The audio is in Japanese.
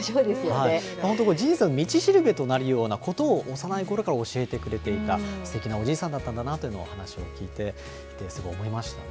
人生の道しるべとなるようなことを幼いころから教えてくれていたすてきなおじいさんだったんだなと、話を聞いていて、すごい思いましたね。